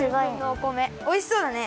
おいしそうだね。